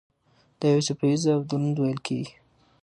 دا یو څپه ایز او دروند ویل کېږي.